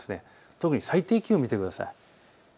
特に最低気温を見てください。